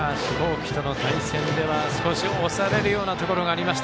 稀との対戦では、少し押されるようなところがありました